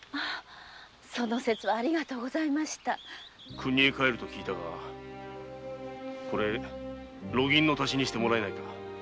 国に帰ると聞いたが路銀の足しにしてもらえないか。